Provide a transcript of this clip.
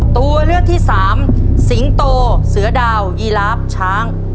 ตัวเลือกที่สามสิงโตเสือดาวยีลาฟช้าง